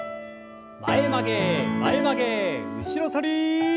前曲げ前曲げ後ろ反り。